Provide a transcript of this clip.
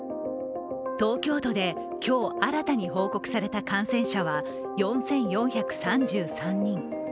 東京都で今日新たに報告された感染者は４４３３人。